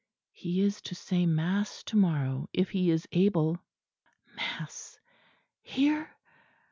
He is to say mass to morrow, if he is able." "Mass? Here?"